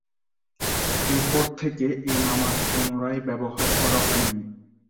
এরপর থেকে আর এ নাম পুনরায় ব্যবহার করা হয়নি।